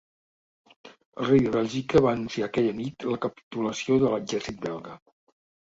El rei de Bèlgica va anunciar aquella nit la capitulació de l'exèrcit belga.